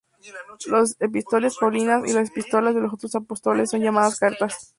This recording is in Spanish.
Las epístolas paulinas y las epístolas de los otros apóstoles son llamadas Cartas.